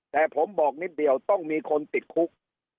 แต่ผมบอกนิดเดียวต้องมีคนติดคุก